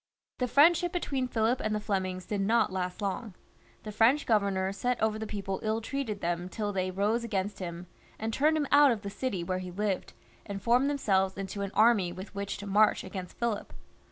The friendship between Philip and the Flemings did not last long. The French governor set over the people ill treated them till they rose against him, and turned him out of the city where he lived, and formed themselves into an army with which to march against Philip.